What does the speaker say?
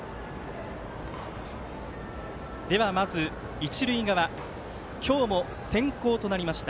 では、まず一塁側今日も先攻となりました。